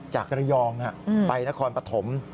จากระยองไปนครปฐม